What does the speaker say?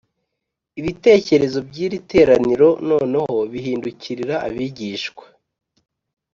Ibitekerezo by’iri teraniro noneho bihindukirira abigishwa